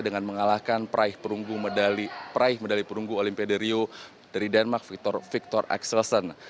dengan mengalahkan praih perunggu medali perunggu olimpia rio dari denmark victor axelsen